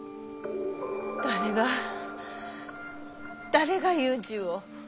誰が誰が裕二を？